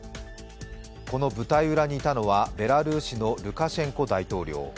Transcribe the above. この舞台裏にいたのは、ベラルーシのルカシェンコ大統領。